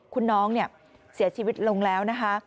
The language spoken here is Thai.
คุณน้องเสียชีวิตลงแล้วนะคะ